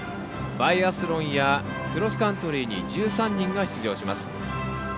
バイアスロンやクロスカントリーに１３人が出場します。